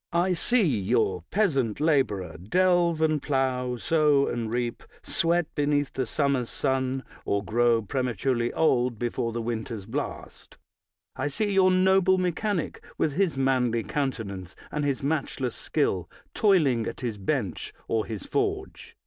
I see your peasant laborer delve and plow, sow and reap, sweat beneath the summer's sun, or grow prematurely old before 224 BRIGHT the winter's blast. I see your noble mechanic with his manly countenance and his matchless skill, toiling at his bench or his forge.